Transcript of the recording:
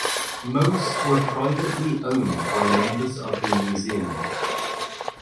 Most were privately owned by members of the museum.